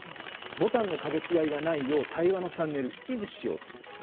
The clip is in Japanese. ボタンの掛け違いがないよう、対話のチャンネルを維持しようというんです。